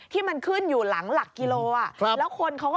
ที่มันขึ้นอยู่หลังหลักกิโลอ่ะแล้วคนเขาก็